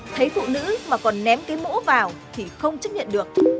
thấy phụ nữ mà còn ném cái mũ vào thì không chấp nhận được